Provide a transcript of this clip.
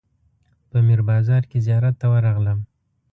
په میر بازار کې زیارت ته ورغلم.